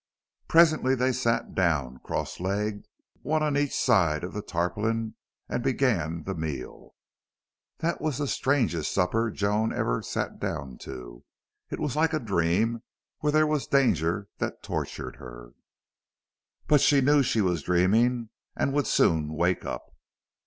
Presently they sat down, cross legged, one on each side of the tarpaulin, and began the meal. That was the strangest supper Joan ever sat down to; it was like a dream where there was danger that tortured her; but she knew she was dreaming and would soon wake up.